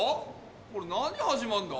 これ何始まんだ？